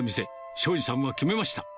正次さんは決めました。